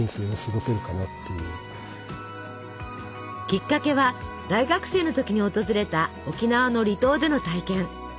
きっかけは大学生の時に訪れた沖縄の離島での体験。